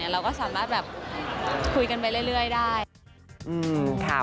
เราก็สามารถแบบคุยกันไปเรื่อยได้